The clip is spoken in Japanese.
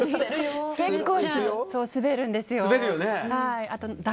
結構、滑るんですよ。